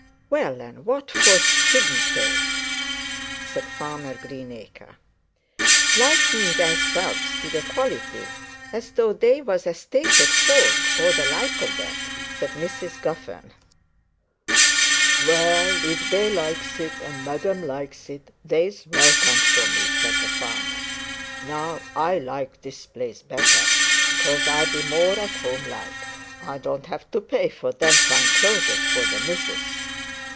'Well, and what for shouldn't they?' said Farmer Greenacre. 'Likening theyselves to the quality, as though they was estated folk, or the like o' that!' said Mrs Guffern. 'Well, if they likes it and madam likes it, they's welcome for me,' said the farmer. 'Now I likes the place better, cause I be more at home like, and don't have to pay for them fine clothes for the missus.